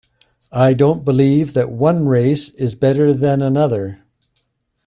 I don't believe that one race is better than another.